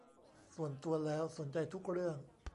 ส่วนตัวแล้วสนใจทุกเรื่อง